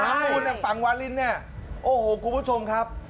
ใช่ฝั่งวานลิ้นนี่โอ้โฮคุณผู้ชมครับ